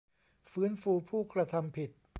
ฟื้นฟูผู้กระทำผิด